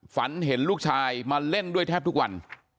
ฝันเห็นลูกชายมาเล่นด้วยแทบทุกวัน